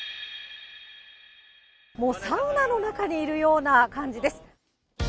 もうサウナの中にいるような感じです。